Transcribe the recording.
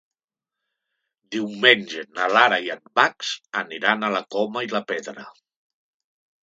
Diumenge na Lara i en Max aniran a la Coma i la Pedra.